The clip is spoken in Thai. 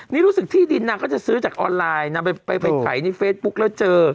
นี่รู้สึกที่ดินนางก็จะซื้อจากออนไลน์นางไปถ่ายในเฟซบุ๊กแล้วเจอ